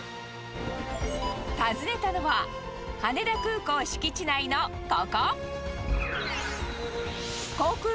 訪ねたのは、羽田空港敷地内のここ。